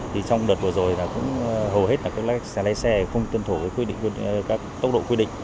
trong đợt vừa rồi hầu hết là các xe lé xe không tuân thủ các tốc độ quy định